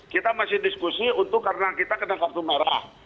kita masih diskusi untuk karena kita kena kartu merah